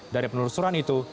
dari penelusuran itu